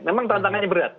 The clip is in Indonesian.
memang tantangannya berat